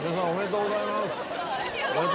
おめでとうございます。